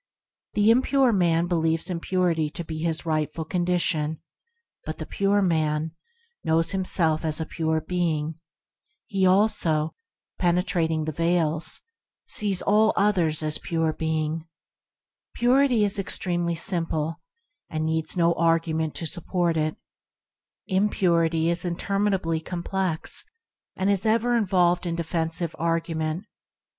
The impure man believes impurity to be his rightful condition, but the pure man knows himself as pure being; he also, penetrating the Veils, sees all others as pure being. Purity is extremely simple, THE "ORIGINAL SIMPLICITY" 103 and needs no argument to support it; im purity is interminably complex, and is ever involved in defensive argument.